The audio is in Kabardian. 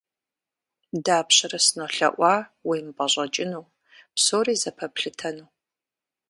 Дапщэрэ сынолъэӀуа уемыпӀэщӀэкӀыну, псори зэпэплъытэну?